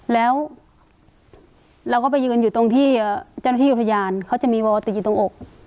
แล้วเราก็ไปยืนอยู่ตรงที่เจ้าหน้าที่อุทยานเขาจะมีวอลตีตรงอก